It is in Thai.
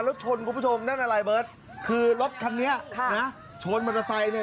แล้วชนคุณผู้ชมนั่นอะไรเบิร์ตคือรถคันนี้ค่ะนะชนมอเตอร์ไซค์เนี่ย